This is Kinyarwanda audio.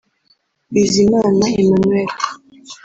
Bizimana Emmanuel